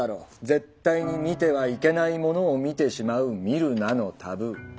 絶対に見てはいけないものを見てしまう「見るなのタブー」。